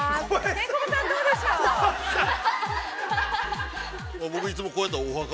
ケンコバさん、どうですか？